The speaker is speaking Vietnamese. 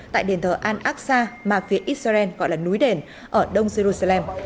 tại đền thờ al aqsa mà phía israel gọi là israel